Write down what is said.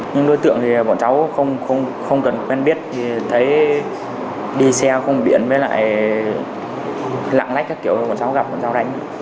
nhưng đối tượng thì bọn cháu không cần quen biết thì thấy đi xe không biển với lại lạng lách các kiểu bọn cháu gặp bọn cháu đánh